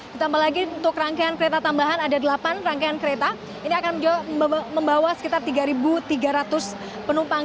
ditambah lagi untuk rangkaian kereta tambahan ada delapan rangkaian kereta ini akan membawa sekitar tiga tiga ratus penumpang